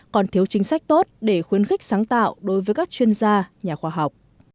còn thiếu chính sách tốt để khuyến khích sáng tạo đối với các chuyên gia nhà khoa học